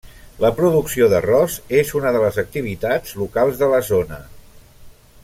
La producció d'arròs és una de les activitats locals de la zona.